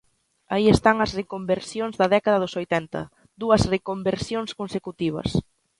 Aí están as reconversións da década dos oitenta, dúas reconversións consecutivas.